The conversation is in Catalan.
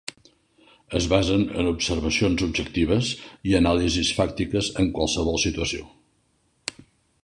Es basen en observacions objectives i anàlisis fàctiques en qualsevol situació.